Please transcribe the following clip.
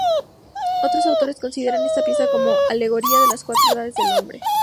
Otros autores consideran esta pieza como alegoría de las cuatro edades del hombre.